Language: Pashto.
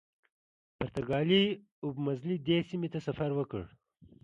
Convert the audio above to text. پرتګالي اوبمزلي دې سیمې ته سفر وکړ.